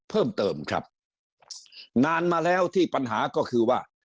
เพิ่มเติมครับนานมาแล้วที่ปัญหาก็คือว่า